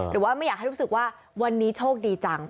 หรือว่าไม่อยากให้รู้สึกว่าวันนี้โชคดีจัง